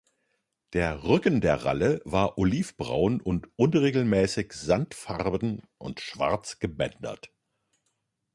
Der Rücken der Ralle war olivbraun und unregelmäßig sandfarben und schwarz gebändert.